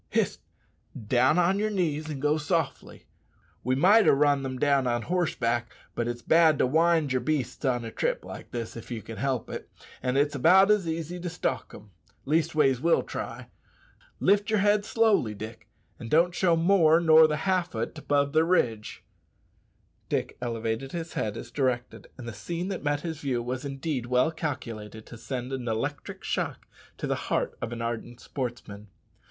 Hist! down on yer knees and go softly. We might ha' run them down on horseback, but it's bad to wind yer beasts on a trip like this, if ye can help it; an' it's about as easy to stalk them. Leastways, we'll try. Lift yer head slowly, Dick, an' don't show more nor the half o't above the ridge." Dick elevated his head as directed, and the scene that met his view was indeed well calculated to send an electric shock to the heart of an ardent sportsman.